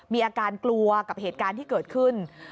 มีอาการกลัวกับเหตุการณ์ที่เกิดขึ้น